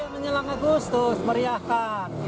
menyelang agustus meriahkan